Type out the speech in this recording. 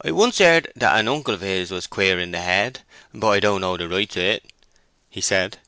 "I once heard that an uncle of his was queer in his head, but I don't know the rights o't," he said.